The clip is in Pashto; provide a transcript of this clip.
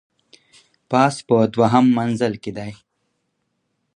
پاس په دوهم منزل کي دی .